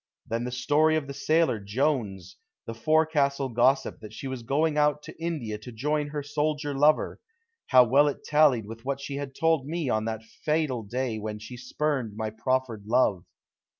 Then the story of the sailor, Jones, the fore castle gossip that she was going out to India to join her soldier lover; how well it tallied with what she had told me on that fatal day when she spurned my proffered love.